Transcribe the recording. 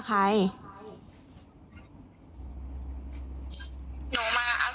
หนูมาอาศัยเขาอยู่